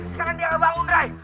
sekarang dia gak bangun ray